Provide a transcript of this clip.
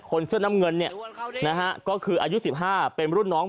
เสื้อน้ำเงินเนี่ยนะฮะก็คืออายุ๑๕เป็นรุ่นน้อง